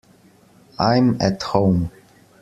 I'm at home.